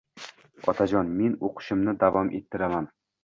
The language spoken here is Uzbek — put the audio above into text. Otajon, men o`qishimni davom ettiraman